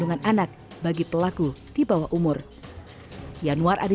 masih dalam pemeriksaan